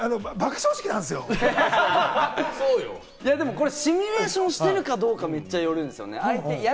これシミュレーションしてるかどうかにめっちゃよるんですよね。